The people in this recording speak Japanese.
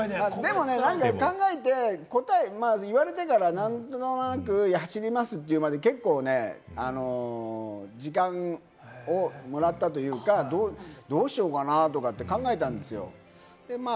でも考えて答え言われてから、何となく走りますって言うまで結構ね、時間をもらったというか、どうしようかな？とか考えたんですよ。